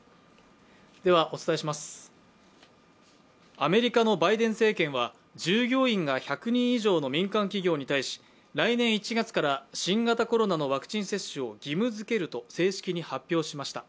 アメリカのバイデン政権は従業員が１００人以上の民間企業に対し、来年１月から、新型コロナのワクチン接種を義務づけると正式に発表しました。